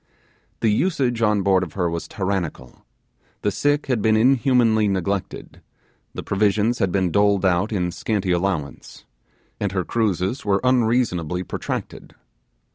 The usage on board of her was tyrannical; the sick had been inhumanly neglected; the provisions had been doled out in scanty allowance; and her cruises were unreasonably protracted.